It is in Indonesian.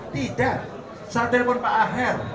tidak saya telepon pak aher